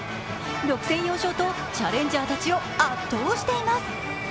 ６戦４勝とチャレンジャーたちを圧倒しています。